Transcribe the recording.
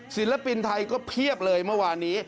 ศิลปินไทยก็เพียบเลยเมื่อวานนี้